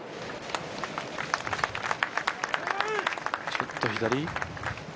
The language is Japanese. ちょっと左？